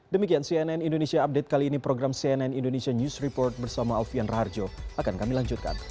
demikian cnn indonesia update kali ini program cnn indonesia news report bersama alfian raharjo akan kami lanjutkan